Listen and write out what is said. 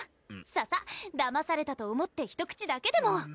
ささだまされたと思って１口だけでも！